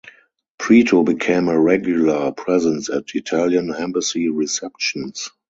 Preto became a regular presence at Italian Embassy receptions.